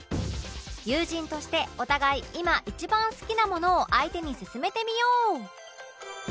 友人としてお互い今一番好きなものを相手に薦めてみよう